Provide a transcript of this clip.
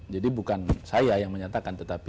jadi bukan saya yang menyatakan tetapi